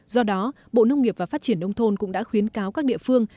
do đó bộ nông nghiệp và phát triển nông thôn cũng đã khuyến cáo các địa phương